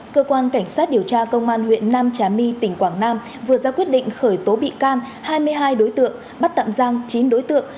cơ quan cảnh sát điều tra công an huyện nam trà my tỉnh quảng nam vừa ra quyết định khởi tố bị can hai mươi hai đối tượng bắt tạm giam chín đối tượng